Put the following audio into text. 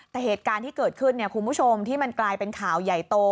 แต่เหตุการณ์ที่เกิดขึ้นคุณผู้ชมที่มันกลายเป็นข่าวใหญ่โต